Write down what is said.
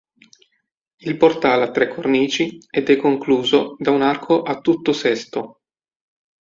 Il portale ha tre cornici ed è concluso da un arco a tutto sesto.